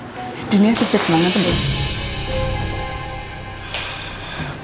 jadi ini yang sedikit banget ya dok